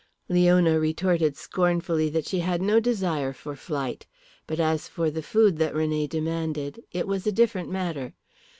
Leona retorted scornfully that she had no desire for flight. But as for the food that René demanded, it was a different matter.